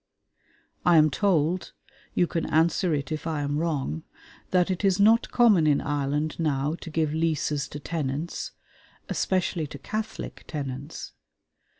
I am told you can answer it if I am wrong that it is not common in Ireland now to give leases to tenants, especially to Catholic tenants.